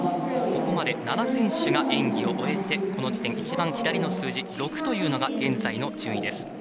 ここまで７選手が演技を終えてこの時点、一番、左の数字６というのが現在の順位です。